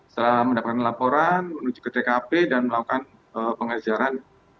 setelah mendapatkan laporan menuju ke tkp dan melakukan pengajaran